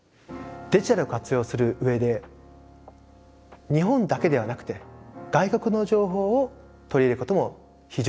デジタルを活用する上で日本だけではなくて外国の情報を取り入れることも非常に大事です。